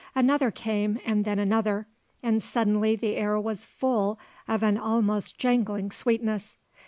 Another came and then another, and suddenly the air was full of an almost jangling sweetness.